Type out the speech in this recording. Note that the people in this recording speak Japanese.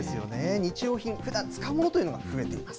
日用品、ふだん使うものというのが増えています。